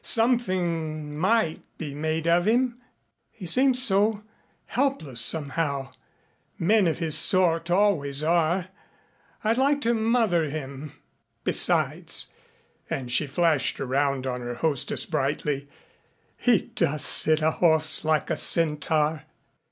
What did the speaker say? Something might be made of him. He seems so helpless somehow. Men of his sort always are. I'd like to mother him. Besides" and she flashed around on her hostess brightly "he does sit a horse like a centaur."